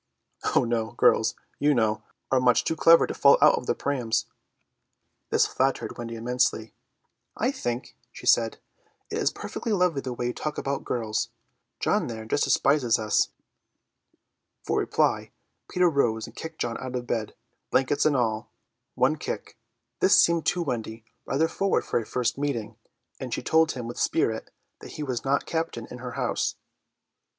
"Oh, no; girls, you know, are much too clever to fall out of their prams." This flattered Wendy immensely. "I think," she said, "it is perfectly lovely the way you talk about girls; John there just despises us." For reply Peter rose and kicked John out of bed, blankets and all; one kick. This seemed to Wendy rather forward for a first meeting, and she told him with spirit that he was not captain in her house.